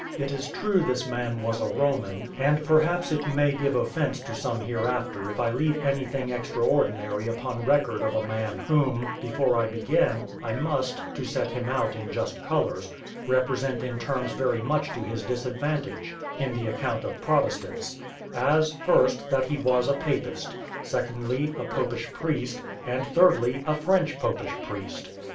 It is true this man was a Roman, and perhaps it may give offence to some hereafter if I leave anything extraordinary upon record of a man whom, before I begin, I must (to set him out in just colours) represent in terms very much to his disadvantage, in the account of Protestants; as, first, that he was a Papist; secondly, a Popish priest; and thirdly, a French Popish priest.